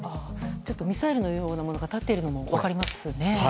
ミサイルのようなものが立っているのが分かりますよね。